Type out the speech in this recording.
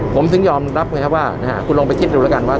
ผมถึงยอมรับไงครับว่าคุณลองไปคิดดูแล้วกันว่า